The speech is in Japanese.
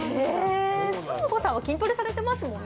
ショーゴさんは筋トレされてますもんね。